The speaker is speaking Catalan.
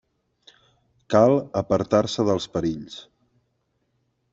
Cal apartar-se dels perills.